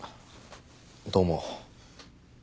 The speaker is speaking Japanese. どうも。